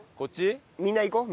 みんな行こう！